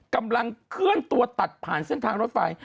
กำลังเคลื่อนตัวตัดผ่านเส้นทางรถไฟ